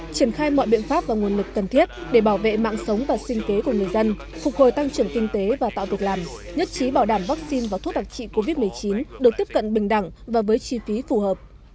triển khai mọi biện pháp và nguồn lực cần thiết để bảo vệ mạng sống và sinh kế của người dân phục hồi tăng trưởng kinh tế và tạo tục làm nhất trí bảo đảm vaccine và thuốc đặc trị covid một mươi chín được tiếp cận bình đẳng và với chi phí phù hợp